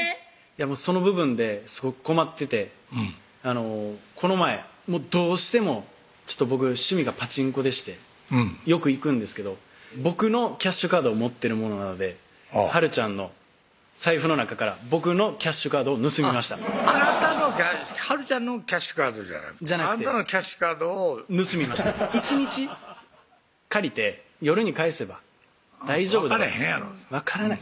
その部分ですごく困っててこの前どうしても僕趣味がパチンコでしてよく行くんですけど僕のキャッシュカードを持ってるものなのではるちゃんの財布の中から僕のキャッシュカードを盗みましたあなたのはるちゃんのキャッシュカードじゃなくてあなたのキャッシュカードを盗みました１日借りて夜に返せば大丈夫だと分かれへんやろ分からない